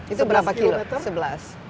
itu berapa kilometer